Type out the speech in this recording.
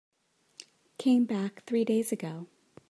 Came back three days ago.